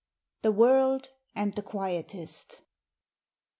THE WORLD AND THE QUIETIST.